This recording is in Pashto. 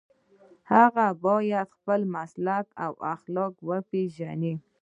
هغه باید خپل مسلک او اخلاق وپيژني.